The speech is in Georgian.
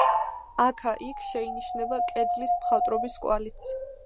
აქა-იქ შეინიშნება კედლის მხატვრობის კვალიც.